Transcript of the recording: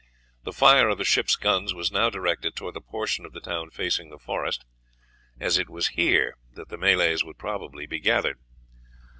The fire of the ship's guns was now directed towards the portion of the town facing the forest, as it was here that the Malays would probably be gathered.